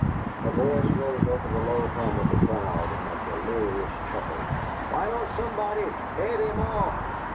A voice rose over the low hum of the crowd in a delirious chuckle: "Why don't somebody 'HEAD HIM OFF!'"